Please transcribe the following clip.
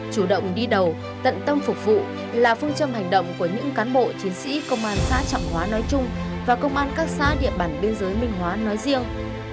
chủ động đi đầu tận tâm phục vụ là phương châm hành động của những cán bộ chiến sĩ công an xã trọng hóa nói chung và công an các xã địa bàn biên giới minh hóa nói riêng